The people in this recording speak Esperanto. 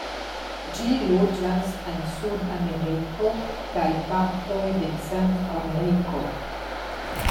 Ĝi loĝas en Sudameriko, kaj partoj de Centrameriko.